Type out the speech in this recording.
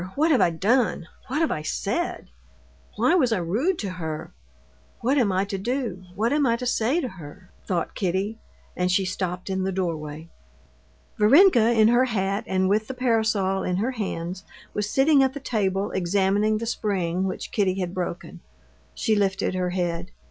what have I done, what have I said? Why was I rude to her? What am I to do? What am I to say to her?" thought Kitty, and she stopped in the doorway. Varenka in her hat and with the parasol in her hands was sitting at the table examining the spring which Kitty had broken. She lifted her head.